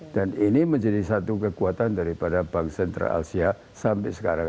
dan ini menjadi satu kekuatan daripada bank sentral asia sampai sekarang ini